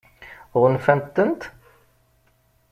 Ɣunfant-tent?